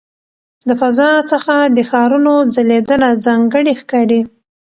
د فضا څخه د ښارونو ځلېدنه ځانګړې ښکاري.